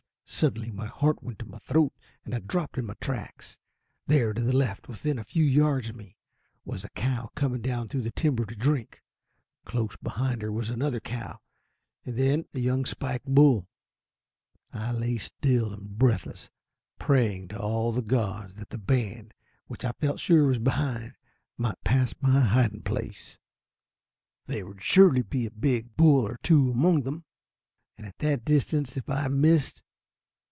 Suddenly my heart went to my throat, and I dropped in my tracks. There to the left and within a few yards of me was a cow coming down through the timber to drink. Close behind her was another cow, and then a young spike bull. I lay still and breathless, praying to all the gods that the band, which I felt sure was behind, might pass my hiding place. There would surely be a big bull or two among them, and at that distance if I missed